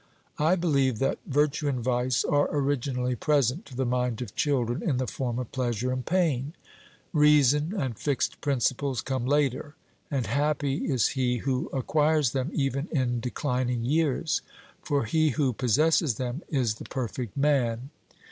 I believe that virtue and vice are originally present to the mind of children in the form of pleasure and pain; reason and fixed principles come later, and happy is he who acquires them even in declining years; for he who possesses them is the perfect man.